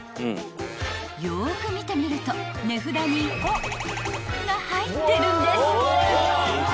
［よく見てみると値札にが入ってるんです］